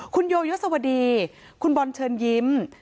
คุณโยยศวดีคุณบอลเชิญยิ้ม